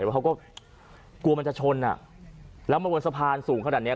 ว่าเขาก็กลัวมันจะชนอ่ะแล้วมาบนสะพานสูงขนาดเนี้ย